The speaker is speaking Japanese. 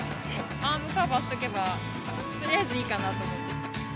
アームカバーしとけば、とりあえずいいかなと思って。